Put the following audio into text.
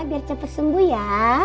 biar cepat sembuh ya